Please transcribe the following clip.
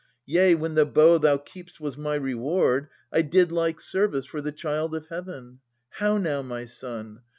Yea, when the bow thou keep'st was my reward, I did like service for the child of Heaven. How now, my son?